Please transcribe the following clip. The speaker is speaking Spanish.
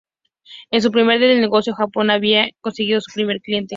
En su primer día en el negocio Jones había conseguido su primer cliente.